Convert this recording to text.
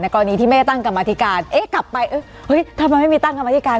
กรณีที่ไม่ได้ตั้งกรรมธิการเอ๊ะกลับไปเฮ้ยทำไมไม่มีตั้งกรรมธิการ